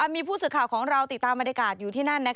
มีผู้สื่อข่าวของเราติดตามบรรยากาศอยู่ที่นั่น